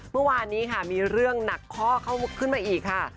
เมื่อวานนี้ค่ะมีเรื่องหนักข้อขึ้นมาอีกค่ะ